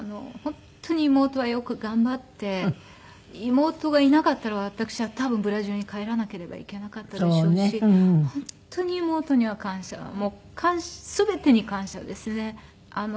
妹がいなかったら私は多分ブラジルに帰らなければいけなかったでしょうし本当に妹には感謝全てに感謝ですね。